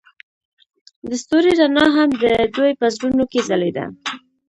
د ستوري رڼا هم د دوی په زړونو کې ځلېده.